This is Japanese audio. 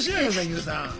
ＹＯＵさん。